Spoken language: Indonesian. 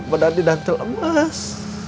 benar benar tidak terlembas